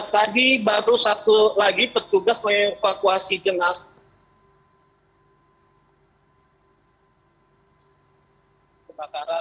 tadi baru satu lagi petugas mengevakuasi jenazah